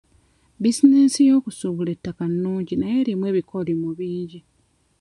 Bizinesi y'okusuubula ettaka nnungi naye erimu ebikolimo bingi.